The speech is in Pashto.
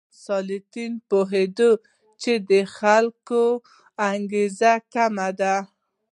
ستالین پوهېده چې د خلکو انګېزه کمه ده.